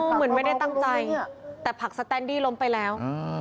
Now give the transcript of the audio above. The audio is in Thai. เหมือนไม่ได้ตั้งใจแต่ผักสแตนดี้ล้มไปแล้ว